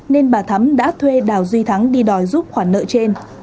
nên bà thắm đã thuê đào duy thắng đi đòi giúp khoản nợ trên